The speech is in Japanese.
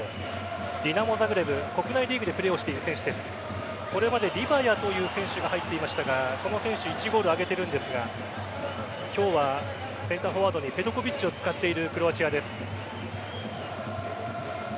ディナモザグレブ国内リーグでプレーしている選手ですがこれまでリヴァヤという選手が入っていましたがその選手１ゴール挙げているんですが今日はセンターフォワードにペトコヴィッチを使っているクロアチアです。